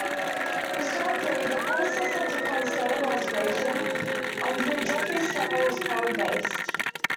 Historically, the predecessor to Constantine was Gratian on whom Geoffrey's tale was probably based.